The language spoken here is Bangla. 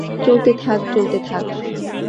চলতে থাক, চলতে থাক।